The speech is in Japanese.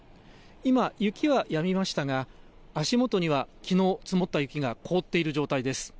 今、雪はやみましたが、足元にはきのう積もった雪が凍っている状態です。